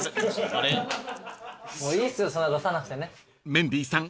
［メンディーさん